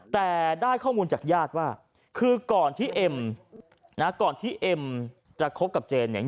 แต่ได้ข้อมูลจากญาติว่าคือก่อนที่เอ็มนะก่อนที่เอ็มจะคบกับเจนเนี่ย